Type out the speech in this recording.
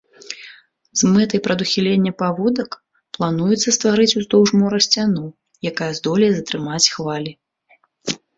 З мэтай прадухілення паводак плануецца стварыць уздоўж мора сцяну, якая здолее затрымаць хвалі.